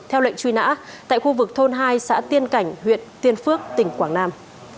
theo lệnh truy nã tại khu vực thôn hai xã tiên cảnh huyện tiên phước tỉnh quảng nam